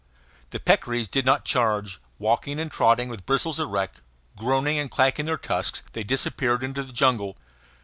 The peccaries did not charge; walking and trotting, with bristles erect, groaning and clacking their tusks, they disappeared into the jungle.